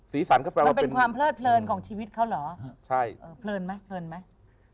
ศรีสรรค์มันเป็นความเพลิดเพลินของชีวิตเขาเหรอเพลินไหมเพลินไหม